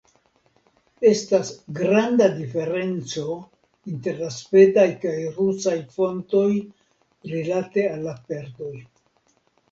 Estas granda diferenco inter la svedaj kaj rusaj fontoj rilate al la perdoj.